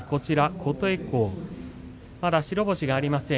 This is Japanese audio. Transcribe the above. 琴恵光、まだ白星がありません。